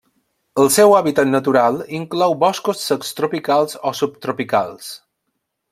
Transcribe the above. El seu hàbitat natural inclou boscos secs tropicals o subtropicals.